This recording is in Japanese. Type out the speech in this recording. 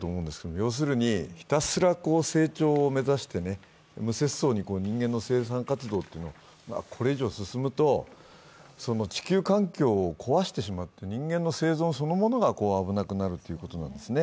要するにひたすら成長を目指して無節操に人間の生産活動、これ以上進と、地球環境を壊してしまって人間の生存そのものが危なくなるということなんですね。